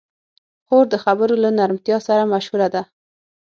خور د خبرو له نرمتیا سره مشهوره ده.